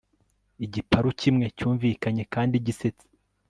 Igiparu kimwe cyumvikanye kandi gisetsa